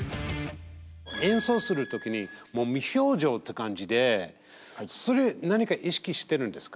演奏する時にもう無表情って感じでそれ何か意識してるんですか？